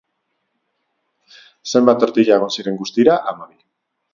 Zenbat tortila egon ziren guztira? Hamabi.